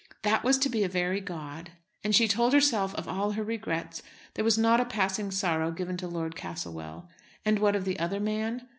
That was to be a very god! As she told herself of all her regrets, there was not a passing sorrow given to Lord Castlewell. And what of the other man?